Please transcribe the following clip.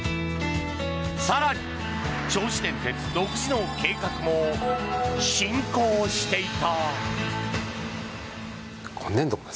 更に、銚子電鉄独自の計画も進行していた。